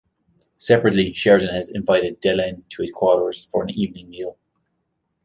Separately, Sheridan has invited Delenn to his quarters for an evening meal.